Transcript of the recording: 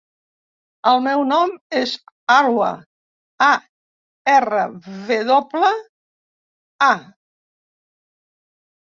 El meu nom és Arwa: a, erra, ve doble, a.